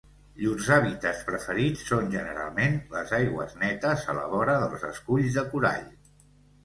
Llurs hàbitats preferits són generalment les aigües netes a la vora dels esculls de corall.